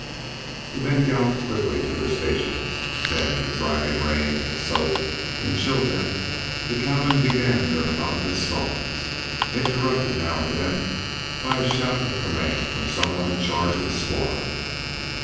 The men galloped quickly to their stations. Then in the driving rain that soaked and chilled them the cowmen began their monotonous songs, interrupted now and then by a shout of command from some one in charge of a squad.